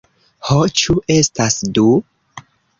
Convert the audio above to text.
Ho, ĉu estas du?